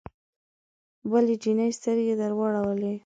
بلې جینۍ سترګې درواړولې